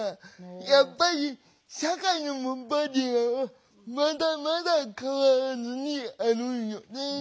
やっぱり社会のバリアはまだまだ変わらずにあるんよね。